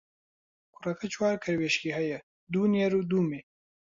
کوڕەکە چوار کەروێشکی هەیە، دوو نێر و دوو مێ.